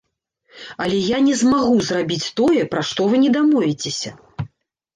Але я не змагу зрабіць тое, пра што вы не дамовіцеся.